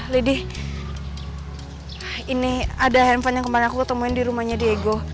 lady ini ada handphone yang kemarin aku ketemuin di rumahnya diego